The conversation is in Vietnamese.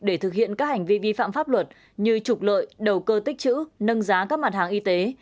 để thực hiện các hành vi vi phạm pháp luật như trục lợi đầu cơ tích chữ nâng giá các mặt hàng y tế